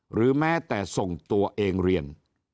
หรือแม้แต่ส่งตัวเองเรียน